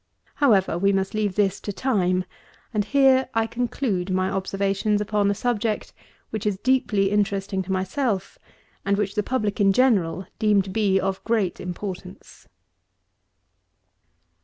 However, we must leave this to time; and here I conclude my observations upon a subject which is deeply interesting to myself, and which the public in general deem to be of great importance.